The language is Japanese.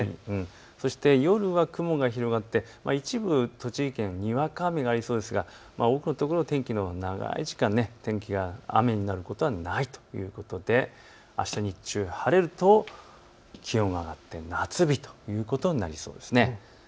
夜は雲が広がって一部、栃木県、にわか雨がありそうですが多くの所、長い時間、天気が雨になることはないということであした日中晴れると気温が上がって夏日ということになりそうです。